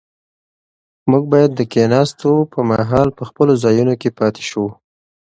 موږ باید د کښېناستو پر مهال په خپلو ځایونو کې پاتې شو.